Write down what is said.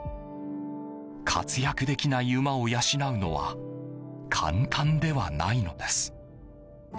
活躍できない馬を養うのは簡単ではないのです。